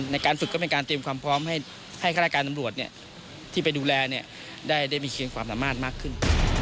ในการฝึกก็เป็นการเตรียมความพร้อมให้คณะการตำรวจที่ไปดูแลได้มีเคียงความสามารถมากขึ้น